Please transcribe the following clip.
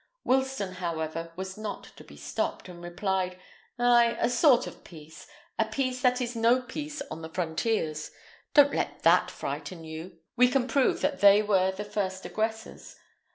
Wilsten, however, was not to be stopped, and replied, "Ay, a sort of peace; a peace that is no peace on the frontiers. Don't let that frighten you: we can prove that they were the first aggressors.